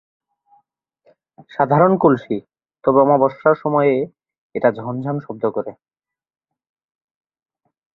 সাধারণ কলসি, তবে অমাবস্যার সময়ে এটা ঝন ঝন শব্দ করে।